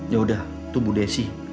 ya udah itu bu desi